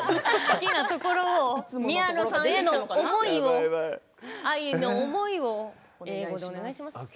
好きなところを宮野さんの。愛の思いを英語でお願いします。